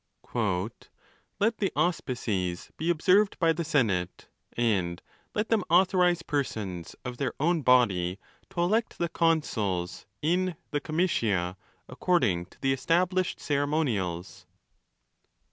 " Let the auspices be observed by the senate, and let them authorize persons of their own body to elect the consuls in the comitia, according to the established ceremonials.